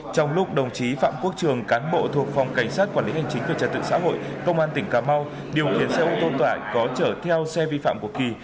trong lúc đồng chí phạm quốc trường cán bộ thuộc phòng cảnh sát quản lý hành chính về trật tự xã hội công an tỉnh cà mau điều khiển xe ô tô tải có chở theo xe vi phạm của kỳ